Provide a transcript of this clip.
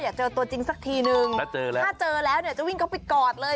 อยากเจอตัวจริงสักทีนึงถ้าเจอแล้วจะวิ่งเข้าไปกอดเลย